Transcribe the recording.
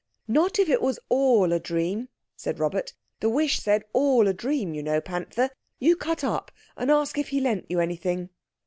"Not if it was all a dream," said Robert. "The wish said all a dream, you know, Panther; you cut up and ask if he lent you anything."